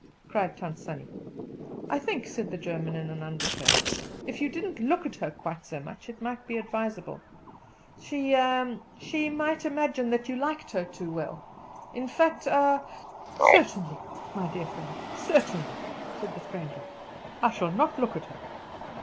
cried Tant Sannie. "I think," said the German in an undertone, "if you didn't look at her quite so much it might be advisable. She ah she might imagine that you liked her too well, in fact ah " "Certainly, my dear friend, certainly," said the stranger. "I shall not look at her."